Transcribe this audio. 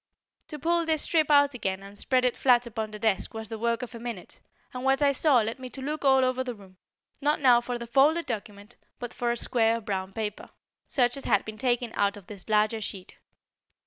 To pull this strip out again and spread it flat upon the desk was the work of a minute, and what I saw led me to look all over the room, not now for the folded document, but for a square of brown paper, such as had been taken out of this larger sheet.